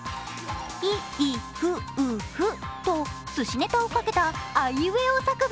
いいふうふとすしネタをかけたあいうえを作文。